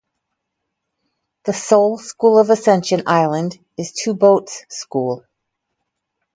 The sole school of Ascension Island is Two Boats School.